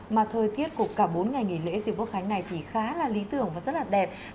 mà thời tiết của cả bốn ngày nghỉ lễ dịp quốc khánh này thì khá là lý tưởng và rất là đẹp